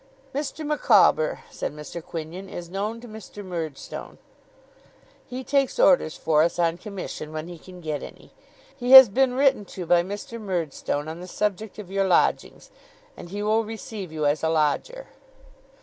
'Mr. Micawber,' said Mr. Quinion, 'is known to Mr. Murdstone. He takes orders for us on commission, when he can get any. He has been written to by Mr. Murdstone, on the subject of your lodgings, and he will receive you as a lodger.